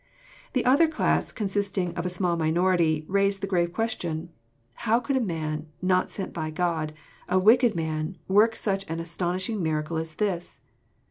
The other class, consisting of a small minority, raised the grave question, *♦ How could a man, not sent by God, a wicked i i man, work such an astonishing miracle as this?